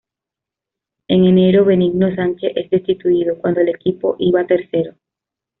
En enero Benigno Sánchez es destituido cuando el equipo iba tercero.